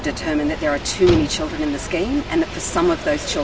pemerintah telah menentukan bahwa terlalu banyak anak anak dalam resmi ini